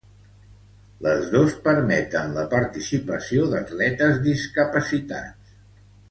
Les dos permeten la participació d'atletes discapacitats.